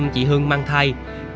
chị hương mang thai